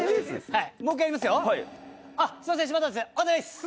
はい。